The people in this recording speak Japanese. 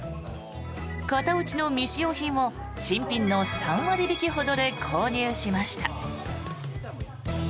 型落ちの未使用品を新品の３割引きほどで購入しました。